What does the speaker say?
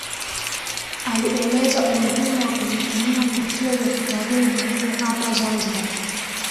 Alieleza umuhimu wa kuvitumia vivutio vya kitalii vilivyo hapa Zanzibar